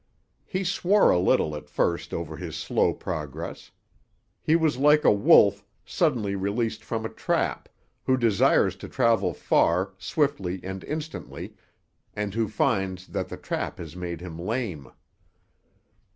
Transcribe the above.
He swore a little at first over his slow progress. He was like a wolf, suddenly released from a trap, who desires to travel far, swiftly and instantly, and who finds that the trap has made him lame.